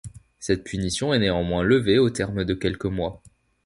Cette punition est néanmoins levée au terme de quelques mois.